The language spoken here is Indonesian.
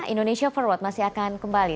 indonesia forward masih akan kembali